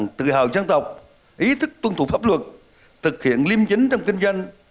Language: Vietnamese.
tinh thần tự hào dân tộc ý thức tuân thủ pháp luật thực hiện liêm chính trong kinh doanh